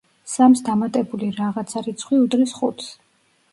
სამს დამატებული „რაღაცა“ რიცხვი უდრის ხუთს.